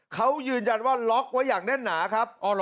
เขายืนยันว่าล็อกไว้อย่างแน่นหนาครับ